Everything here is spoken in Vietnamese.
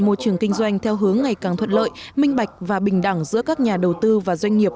môi trường kinh doanh theo hướng ngày càng thuận lợi minh bạch và bình đẳng giữa các nhà đầu tư và doanh nghiệp